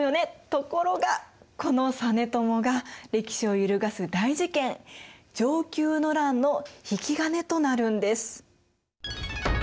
ところがこの実朝が歴史を揺るがす大事件承久の乱の引き金となるんです。